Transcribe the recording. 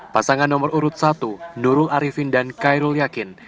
pasangan nomor urut satu nurul arifin dan kairul yakin